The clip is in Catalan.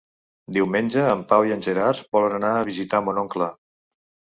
Diumenge en Pau i en Gerard volen anar a visitar mon oncle.